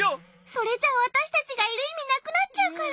それじゃあわたしたちがいるいみなくなっちゃうから。